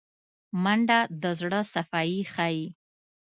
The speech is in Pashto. منډه د زړه صفايي ښيي